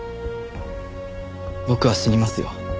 僕は死にますよ。